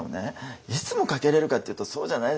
いつもかけれるかっていうとそうじゃないじゃないですか。